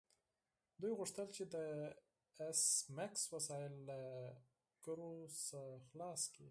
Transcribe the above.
دوی غوښتل چې د ایس میکس وسایل له ګرو څخه خلاص کړي